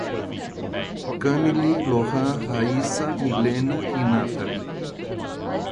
Kamilly, Lorran, Raysa, Millena e Nathaly